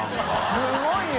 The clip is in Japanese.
すごいよ！